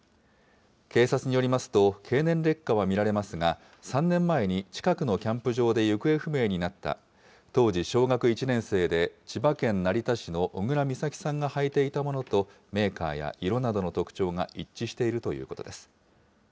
警察によりますと、経年劣化は見られますが、３年前に近くのキャンプ場で行方不明になった、当時、小学１年生で千葉県成田市の小倉美咲さんが履いていたものと、メーカーや色などの特徴が一致しているということです。